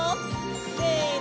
せの！